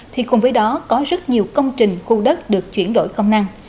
thì cùng với đó có rất nhiều công trình khu đất được chuyển đổi công năng